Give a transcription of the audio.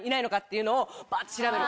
いうのをバって調べる。